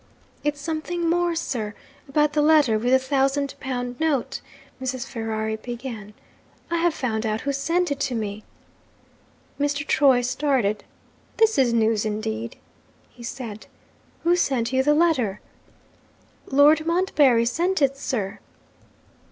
'It's something more, sir, about the letter with the thousand pound note,' Mrs. Ferrari began. 'I have found out who sent it to me.' Mr. Troy started. 'This is news indeed!' he said. 'Who sent you the letter?' 'Lord Montbarry sent it, sir.'